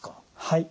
はい。